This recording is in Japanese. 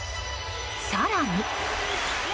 更に。